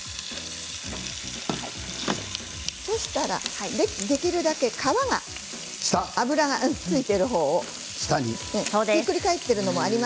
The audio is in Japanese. そうしたら、できるだけ皮が脂がついている方を下にしてください。